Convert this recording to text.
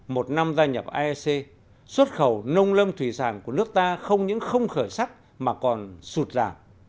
một năm gia nhập aec xuất khẩu nông lâm thủy sản của nước ta không những không khởi sắc mà còn sụt giảm